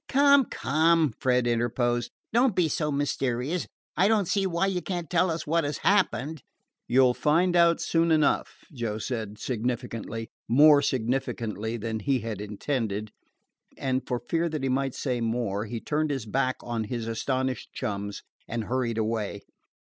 "Come, come," Fred interposed. "Don't be so mysterious. I don't see why you can't tell us what has happened." "You 'll find out soon enough," Joe said significantly more significantly than he had intended. And, for fear that he might say more, he turned his back on his astonished chums and hurried away.